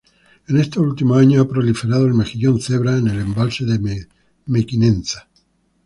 En estos últimos años ha proliferado el mejillón cebra en el embalse de Mequinenza.